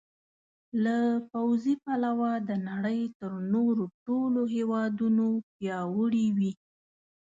له پوځي پلوه د نړۍ تر نورو ټولو هېوادونو پیاوړي وي.